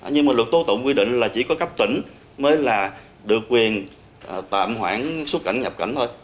nhưng mà luật tố tụng quy định là chỉ có cấp tỉnh mới là được quyền tạm hoãn xuất cảnh nhập cảnh thôi